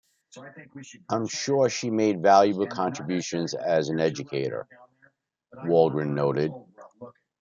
"I'm sure she made valuable contributions as an educator," Walgren noted.